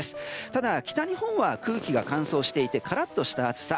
ただ北日本は空気が乾燥していてカラッとした暑さ。